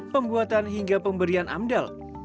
pembuatan hingga pemberian amdal